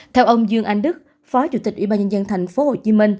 theo ông dương anh đức phó chủ tịch ủy ban nhân dân tp hcm